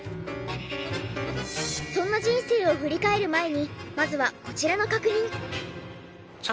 そんな人生を振り返る前にまずはこちらの確認。